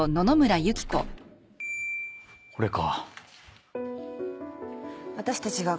これか。